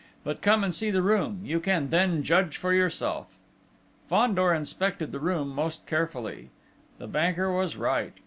but come and see the room, you can then judge for yourself." Fandor inspected the room most carefully. The banker was right.